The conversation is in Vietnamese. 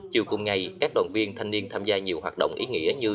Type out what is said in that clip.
chiều cùng ngày các đoàn viên thanh niên tham gia nhiều hoạt động ý nghĩa như